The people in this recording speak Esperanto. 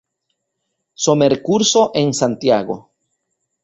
Somerkurso en Santiago.